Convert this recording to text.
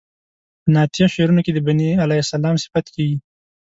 په نعتیه شعرونو کې د بني علیه السلام صفت کیږي.